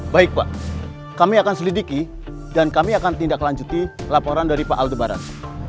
baik pak kami akan selidiki dan kami akan tindaklanjuti laporan dari pak aldebaran